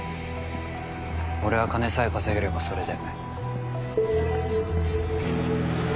俺は金さえ稼げればそれで。